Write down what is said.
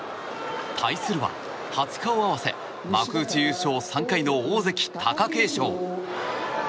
対するは初顔合わせ幕内優勝３回の大関・貴景勝。